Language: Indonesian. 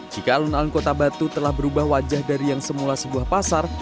jika alun alun kota batu telah berubah wajah dari yang semula sebuah pasar